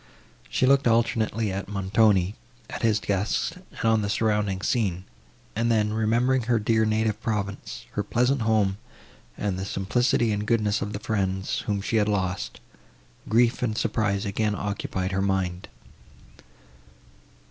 She looked alternately at Montoni, at his guests and on the surrounding scene; and then, remembering her dear native province, her pleasant home and the simplicity and goodness of the friends, whom she had lost, grief and surprise again occupied her mind.